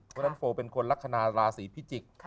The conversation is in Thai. เพราะฉะนั้นโฟลเป็นคนลักษณะราศีพิจิกษ์